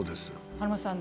華丸さん